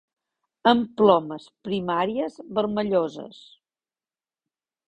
Amb plomes primàries vermelloses.